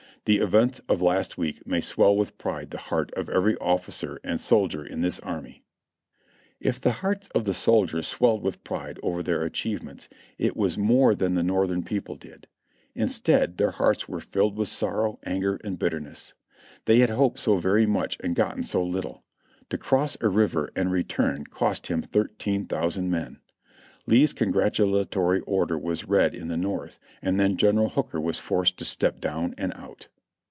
"The events of last week may swell with pride the heart of every officer and soldier in this army." (Reb. Records, Vol. 25, p. 171.) If the hearts of the soldiers swelled with pride over their achievements it was more than the Northern people did. In stead their hearts were filled with sorrow, anger and bitterness. They had hoped for so very much and gotten so Httle. To cross a river and return cost him 13,000 men. Lee's congratulatory order was read in the North, and then General Hooker was forced to step down and out.